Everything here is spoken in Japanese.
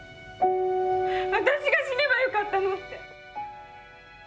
私が死ねばよかったの。